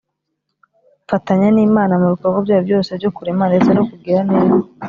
,. Mfatanya n’Imana mu bikorwa byayo byose byo kurema ndetse no kugira neza.